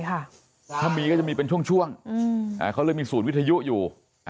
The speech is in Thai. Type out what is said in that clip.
ถ้ามีก็จะมีเป็นช่วงเขาเลยมีศูนย์วิทยุอยู่